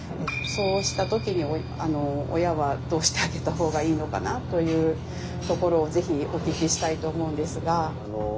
そうした時に親はどうしてあげた方がいいのかなというところをぜひお聞きしたいと思うんですが。